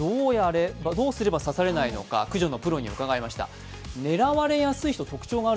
どうすれば刺されないのか駆除のプロに聞きました。